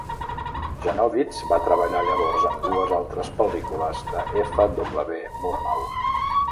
Janowitz va treballar llavors amb dues altres pel·lícules de F. W. Murnau.